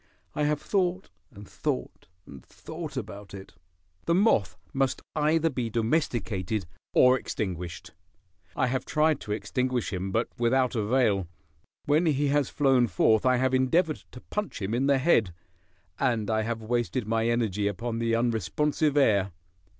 I have thought, and thought, and thought about it. The moth must either be domesticated or extinguished. I have tried to extinguish him, but without avail. When he has flown forth I have endeavored to punch him in the head, and I have wasted my energy upon the unresponsive air.